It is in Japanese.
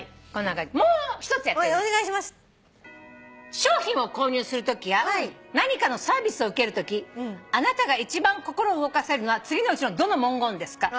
「商品を購入するときや何かのサービスを受けるときあなたが一番心を動かされるのは次のうちのどの文言ですか？」